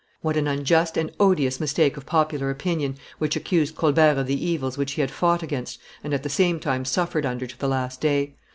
What an unjust and odious mistake of popular opinion which accused Colbert of the evils which he had fought against and at the same time suffered under to the last day!